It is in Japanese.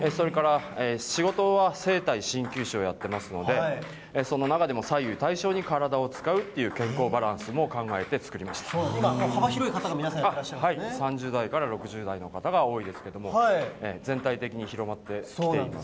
仕事は整体・しんきゅう師をやってますので、その中でも左右対称に体を使うっていう健康バランスも考えて作り幅広い方が皆さんやってらっ３０代から６０代の方が多いですけれども、全体的に広まってきています。